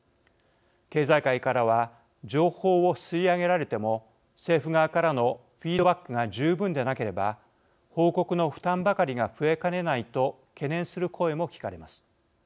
経済界からは情報を吸い上げられても政府側からのフィードバックが十分でなければ報告の負担ばかりが増えかねないと懸念する声も聞かれます。